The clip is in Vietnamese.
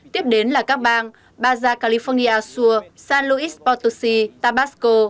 tiếp đến là các bang baja california sur san luis potosi tabasco